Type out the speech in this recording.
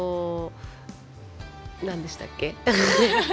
なんでしたっけ。